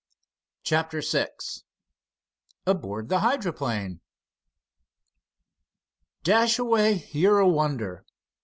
CHAPTER VI ABOARD THE HYDROPLANE "Dashaway, you're a wonder."